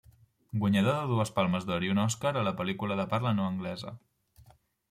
Guanyador de dues Palmes d'Or i un Òscar a la pel·lícula de parla no anglesa.